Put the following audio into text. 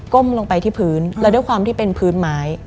ลงไปที่พื้นแล้วด้วยความที่เป็นพื้นไม้